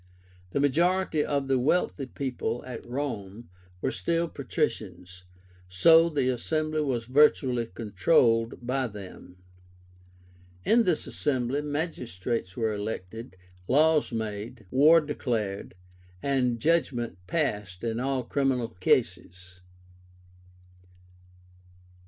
The majority of the wealthy people at Rome were still patricians, so the assembly was virtually controlled by them. In this assembly magistrates were elected, laws made, war declared, and judgment passed in all criminal cases.